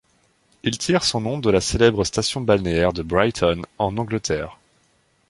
Il tire son nom de la célèbre station balnéaire de Brighton en Angleterre.